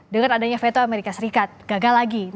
dengan adanya veto amerika serikat gagal lagi